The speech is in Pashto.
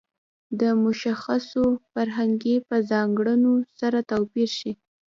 د مشخصو فرهنګي په ځانګړنو سره توپیر شي.